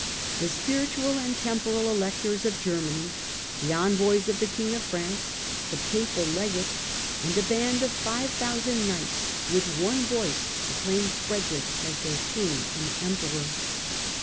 The spiritual and tem poral Electors of Germany, the envoys of the King of France, the Papal Legate, and a band of five thousand knights, with one voice acclaimed Frederick as their King and Emperor.